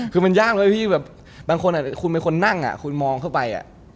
คือมันยากเลยพี่แบบบางคนคุณเป็นคนนั่งคุณมองเข้าไป